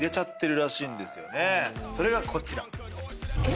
それがこちら。